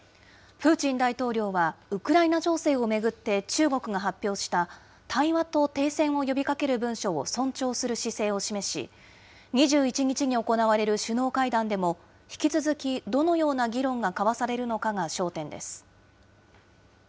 プーチン大統領は、ウクライナ情勢を巡って、中国が発表した対話と停戦を呼びかける文書を尊重する姿勢を示し、２１日に行われる首脳会談でも、引き続き、どのような議論が交わされるのかが焦点です。